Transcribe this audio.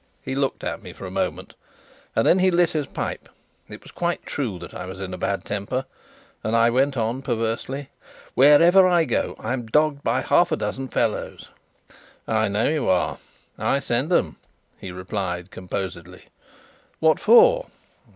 He looked at me for a moment, then he lit his pipe. It was quite true that I was in a bad temper, and I went on perversely: "Wherever I go, I'm dogged by half a dozen fellows." "I know you are; I send 'em," he replied composedly. "What for?"